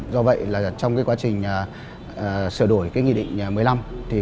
do vậy là trong quá trình sửa đổi nghị định một mươi năm